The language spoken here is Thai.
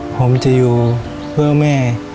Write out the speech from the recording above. ผมจะอยู่เพื่อแม่